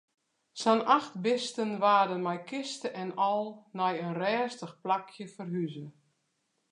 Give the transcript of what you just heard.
Sa'n acht bisten waarden mei kiste en al nei in rêstich plakje ferhuze.